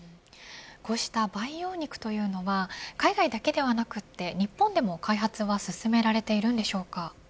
こうした培養肉というのは海外だけではなくて日本でも開発は進められているんでしょうか。